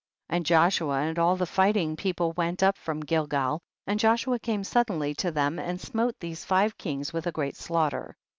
59. And Joshua and all the fight ing people went up from Gilgal, and Joshua came suddenly to them, and smote these five kings with a great slaughter.